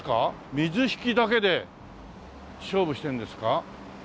水引だけで勝負しているんですか？